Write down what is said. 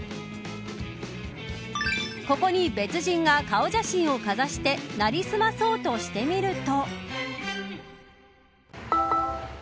ここに別人が、顔写真をかざしてなりすまそうとしてみると。